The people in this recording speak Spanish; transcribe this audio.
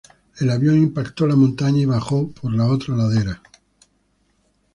El avión impactó la montaña y bajó por la otra ladera.